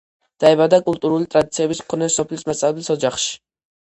. დაიბადა კულტურული ტრადიციების მქონე სოფლის მასწავლებლის ოჯახში.